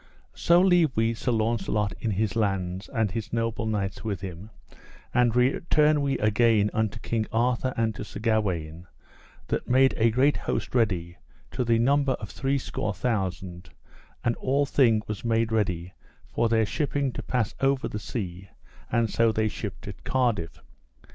So leave we Sir Launcelot in his lands, and his noble knights with him, and return we again unto King Arthur and to Sir Gawaine, that made a great host ready, to the number of threescore thousand; and all thing was made ready for their shipping to pass over the sea, and so they shipped at Cardiff.